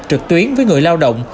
trực tuyến với người lao động